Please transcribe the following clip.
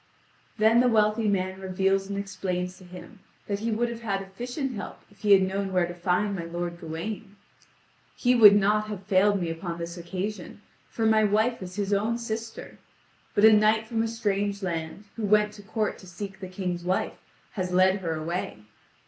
Then the wealthy man reveals and explains to him that he would have had efficient help if he had known where to find my lord Gawain. "He would not have failed me upon this occasion, for my wife is his own sister; but a knight from a strange land, who went to court to seek the King's wife, has led her away.